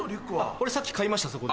これさっき買いましたそこで。